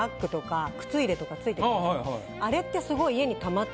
あれってすごい。